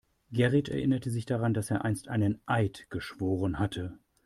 Gerrit erinnerte sich daran, dass er einst einen Eid geschworen hatte.